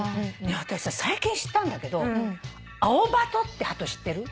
私さ最近知ったんだけどアオバトってハト知ってる？